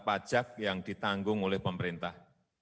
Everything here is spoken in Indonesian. pajak yang ditanggung oleh pemerintah